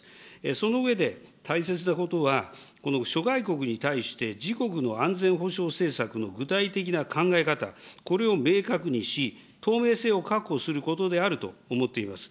その上で、大切なことは、この諸外国に対して、自国の安全保障政策の具体的な考え方、これを明確にし、透明性を確保することであると思っています。